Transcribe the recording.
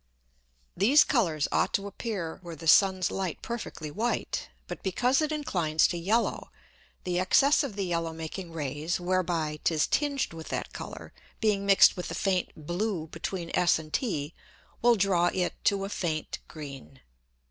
These Colours ought to appear were the Sun's Light perfectly white: But because it inclines to yellow, the Excess of the yellow making Rays whereby 'tis tinged with that Colour, being mixed with the faint blue between S and T, will draw it to a faint green.